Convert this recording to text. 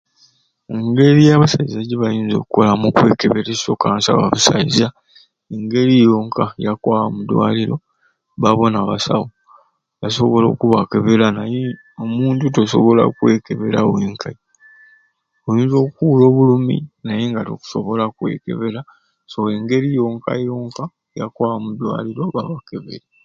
Engeri abasaiza jebayinza okolamu okwekeberesya okansa owa busaiza engeri yonka yakwaba omudwaliro babone abasawu basobole okubakebeera naye omuntu tosobola kwekebeera wenkai oyinza okuura obulumi nayenga tokusobola kwekebeera so engeri yonkai yonka yakwaba mudwaliro babakebeere.